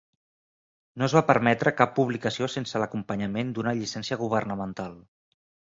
No es va permetre cap publicació sense l'acompanyament d'una llicència governamental.